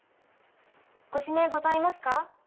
ご指名ございますか？